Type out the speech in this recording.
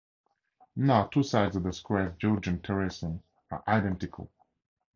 No two sides of the square's Georgian terracing are identical.